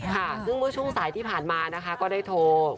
คุณผู้ชมสายที่ผ่านมานะคะก็ได้โทร